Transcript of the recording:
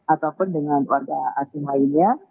ataupun dengan warga asing lainnya